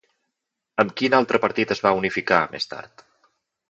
Amb quin altre partit es va unificar, més tard?